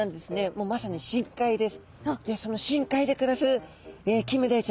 もうまさに深海です。